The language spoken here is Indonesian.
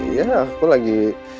iya aku lagi